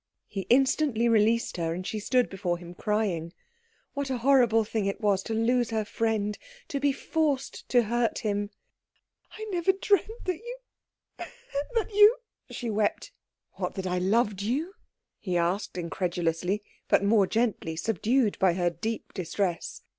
He instantly released her, and she stood before him crying. What a horrible thing it was to lose her friend, to be forced to hurt him. "I never dreamt that you that you " she wept. "What, that I loved you?" he asked incredulously; but more gently, subdued by her deep distress.